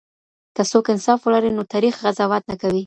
که څوک انصاف ولري نو تريخ قضاوت نه کوي.